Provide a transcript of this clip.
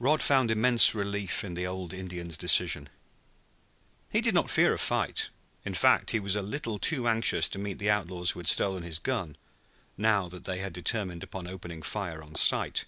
Rod found immense relief in the old Indian's decision. He did not fear a fight; in fact, he was a little too anxious to meet the outlaws who had stolen his gun, now that they had determined upon opening fire on sight.